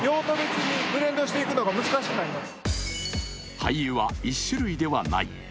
廃油は１種類ではない。